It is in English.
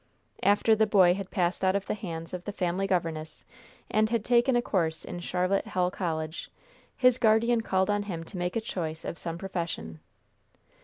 After the boy had passed out of the hands of the family governess, and had taken a course in Charlotte Hall College, his guardian called on him to make choice of some profession.